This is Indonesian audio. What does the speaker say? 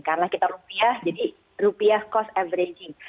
karena kita rupiah jadi rupiah cost averaging